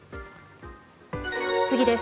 次です。